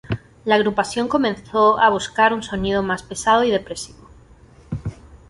La agrupación comenzó a buscar un sonido mas pesado y depresivo.